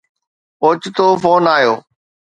اوچتو فون آيو